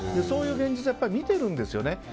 そういう現実はやっぱり見てるんですよね。